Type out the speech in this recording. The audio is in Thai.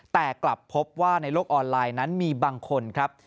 แต่กลับพบว่าในโลกออนไลน์นั้นมีบางคนครับ